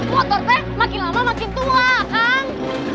motor teh makin lama makin tua kang